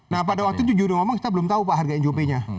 nah pada waktu itu juga udah ngomong kita belum tahu pak harga njop nya